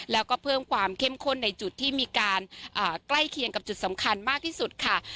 แล้วก็เพิ่มความเข้มข้นในจุดที่มีการใกล้เคียงกับจุดสำคัญมากที่สุดค่ะ